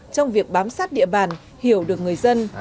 trong việc bám sát địa bàn hiểu được người dân